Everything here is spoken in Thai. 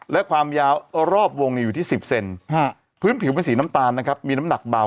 และความยาวรอบวงอยู่ที่๑๐เซนพื้นผิวเป็นสีน้ำตาลนะครับมีน้ำหนักเบา